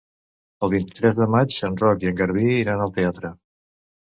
El vint-i-tres de maig en Roc i en Garbí iran al teatre.